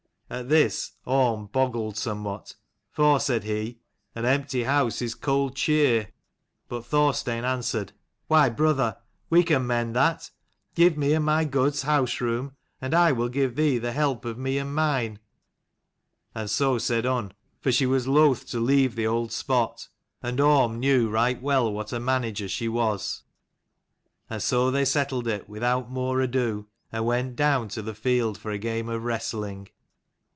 At this Orm boggled somewhat, for said he, "An empty house is cold cheer." But Thor stein answered, "Why, brother, we can mend that. Give me and my goods house room, and I will give thee the help of me and mine." And so said Unn, for she was loath to leave the 160 old spot, and Orm knew right well what a manager she was. And so they settled it, without more ado, and went down to the field for a game of wrestling.